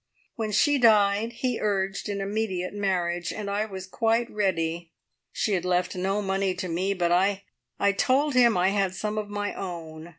When she died, he urged an immediate marriage, and I was quite ready. She had left no money to me, but I told him I had some of my own.